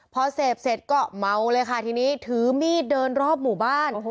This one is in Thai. พอเสพเสร็จก็เมาเลยค่ะทีนี้ถือมีดเดินรอบหมู่บ้าน